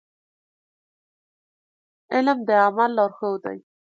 علم د عمل لارښود دی.